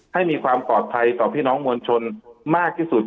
ให้มีความปลอดภัยต่อพี่น้องมวลชนมากที่สุด